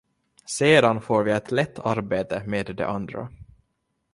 Sedan får vi ett lätt arbete med de andra.